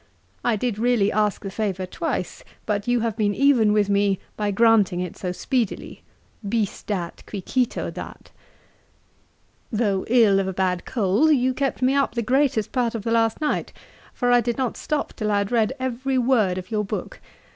I did really ask the favour twice; but you have been even with me by granting it so speedily. Bis dat qui cito dat. Though ill of a bad cold, you kept me up the greatest part of the last night; for I did not stop till I had read every word of your book.